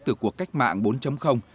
từ cuộc cách mạng